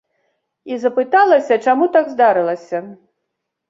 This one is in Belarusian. І запыталася, чаму так здарылася.